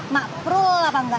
makrul apa enggak